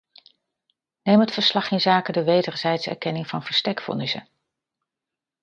Neem het verslag inzake de wederzijdse erkenning van verstekvonnissen.